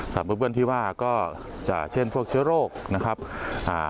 เบอร์เบิ้ลที่ว่าก็จะเช่นพวกเชื้อโรคนะครับอ่า